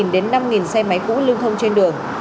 ba đến năm xe máy cũ lưng thông trên đường